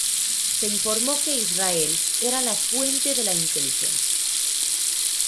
Se informó que Israel era la fuente de la inteligencia.